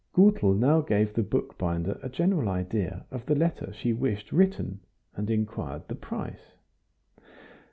Gutel now gave the bookbinder a general idea of the letter she wished written, and inquired the price.